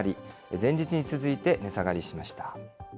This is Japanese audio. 前日に続いて値下がりしました。